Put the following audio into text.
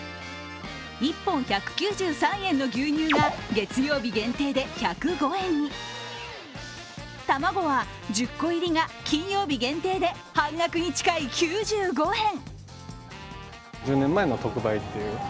１本１９３円の牛乳が月曜日限定で１０５円に卵は、１０個入りが金曜日限定で半額に近い９５円。